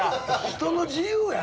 人の自由やろ。